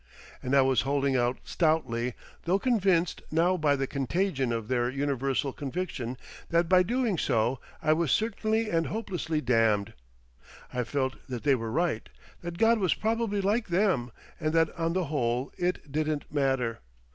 And I was holding out stoutly, though convinced now by the contagion of their universal conviction that by doing so I was certainly and hopelessly damned. I felt that they were right, that God was probably like them, and that on the whole it didn't matter.